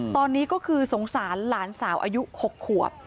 ตอนนี้ก็คือสงสารหลานสาวอายุ๖ขวบ